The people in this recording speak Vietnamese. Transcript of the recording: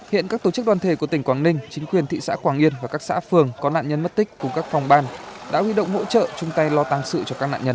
hiện các tổ chức đoàn thể của tỉnh quảng ninh chính quyền thị xã quảng yên và các xã phường có nạn nhân mất tích cùng các phòng ban đã huy động hỗ trợ chung tay lo tăng sự cho các nạn nhân